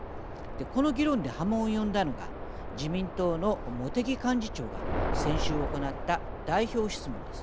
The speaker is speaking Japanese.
この議論で波紋を呼んだのが自民党の茂木幹事長が先週行った代表質問です。